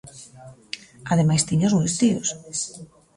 Ademais tiña aos meus tíos.